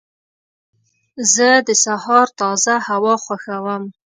زه د سهار تازه هوا خوښوم.